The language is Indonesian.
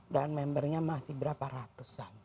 dan membernya masih berapa ratusan